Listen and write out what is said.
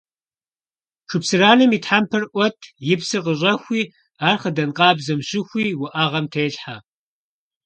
Шыпсыранэм и тхьэмпэр Ӏуэт, и псыр къыщӀэхуи, ар хъыдан къабзэм щыхуи уӀэгъэм телъхьэ.